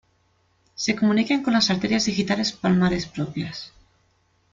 Se comunican con las arterias digitales palmares propias.